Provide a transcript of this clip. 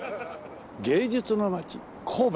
芸術の街神戸。